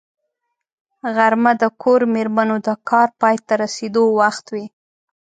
غرمه د کور مېرمنو د کار پای ته رسېدو وخت وي